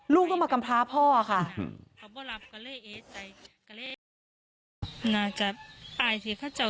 ลูกก็มากำพาพ่อค่ะ